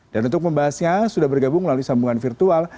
dan untuk pembahasnya sudah bergabung melalui sambungan virtual